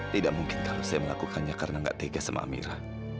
tidak mungkin kalau saya melakukannya karena nggak tegas sama amira